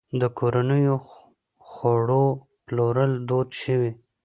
د کورنیو خوړو پلورل دود شوي؟